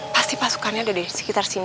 pasti pasukannya udah di sekitar sini